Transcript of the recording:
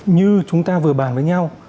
như chúng ta vừa bàn với nhau